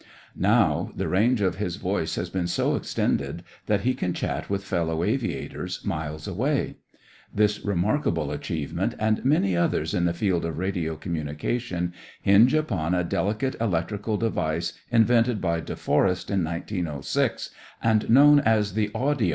Now the range of his voice has been so extended that he can chat with fellow aviators miles away. This remarkable achievement and many others in the field of radio communication hinge upon a delicate electrical device invented by Deforest in 1906 and known as the "audion."